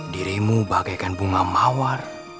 dirimu bagaikan bunga mawar